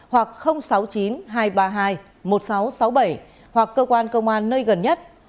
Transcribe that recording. hoặc sáu mươi chín hai trăm ba mươi hai một nghìn sáu trăm sáu mươi bảy hoặc cơ quan công an nơi gần nhất